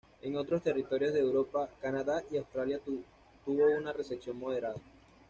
En otros territorios de Europa, Canadá y Australia tuvo una recepción moderada.